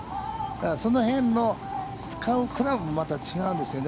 その辺の、使うクラブも違うんですよね